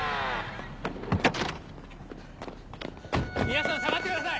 皆さん下がってください！